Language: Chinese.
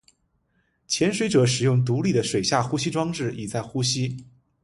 潜水者使用独立的水下呼吸装置以在呼吸。